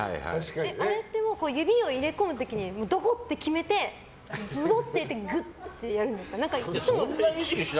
あれって指を入れ込む時にどこって決めてズボッと入れてやるんですか？